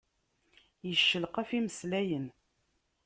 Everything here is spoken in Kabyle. Iccelqaf imeslayen.